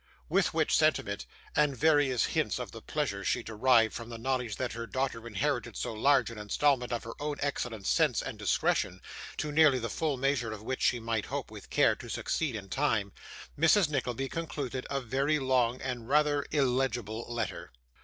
With which sentiment, and various hints of the pleasure she derived from the knowledge that her daughter inherited so large an instalment of her own excellent sense and discretion (to nearly the full measure of which she might hope, with care, to succeed in time), Mrs. Nickleby concluded a very long and rather illegible letter.